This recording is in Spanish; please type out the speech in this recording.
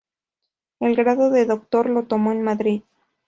El grado de doctor lo tomó en Madrid.